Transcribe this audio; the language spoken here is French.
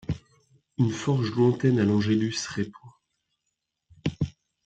Une forge lointaine à l'angélus répond.